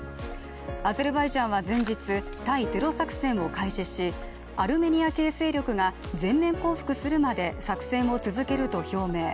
アゼルバイジャンは前日、対テロ作戦を開始しアルメニア系勢力が全面降伏するまで作戦を続けると表明。